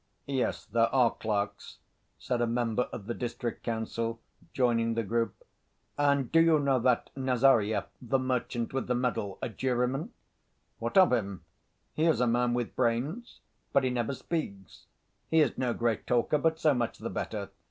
"Yes, there are clerks," said a member of the district council, joining the group. "And do you know that Nazaryev, the merchant with the medal, a juryman?" "What of him?" "He is a man with brains." "But he never speaks." "He is no great talker, but so much the better.